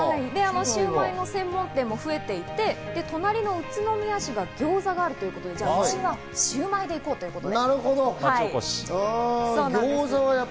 シウマイの専門店も増えていて、隣の宇都宮市が餃子があるということで、うちはシウマイでいこうということで。